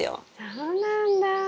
そうなんだ。